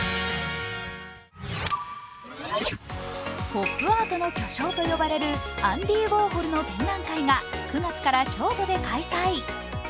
ポップアートの巨匠と呼ばれるアンディ・ウォーホルの展覧会が９月から京都で開催。